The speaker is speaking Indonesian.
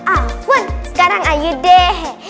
awet sekarang ayu deh